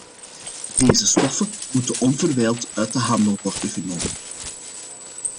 Deze stoffen moeten onverwijld uit de handel worden genomen.